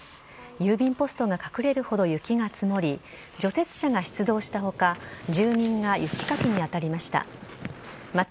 郵便ポストが隠れるほど雪が積もり、除雪車が出動したほか、住民が雪かきにあたりました。